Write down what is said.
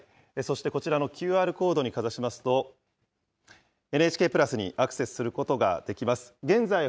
そしてこちらのＱＲコードにかざしますと、ＮＨＫプラスにアクセスすることができます。